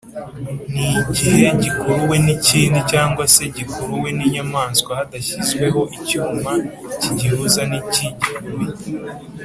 nigihe gikuruwe n’ikindi cg se gikuruwe n’inyamaswa hadashyizweho icyuma kigihuza n’ikigikuruye